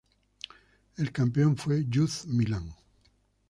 El campeón fue "Youth Milan".